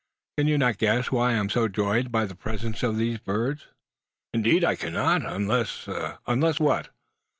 Can you not guess why I am so joyed by the presence of these birds?" "Indeed I cannot unless " "Unless what?"